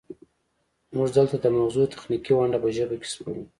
موږ دلته د مغزو تخنیکي ونډه په ژبه کې سپړو